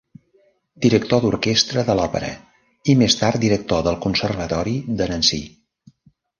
Director d'orquestra de l'Òpera, i més tard director del Conservatori de Nancy.